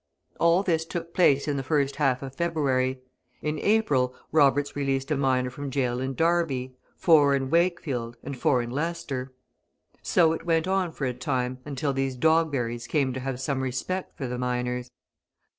All this took place in the first half of February. In April, Roberts released a miner from jail in Derby, four in Wakefield, and four in Leicester. So it went on for a time until these Dogberries came to have some respect for the miners.